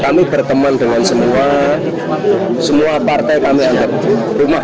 kami berteman dengan semua semua partai kami yang ada di rumah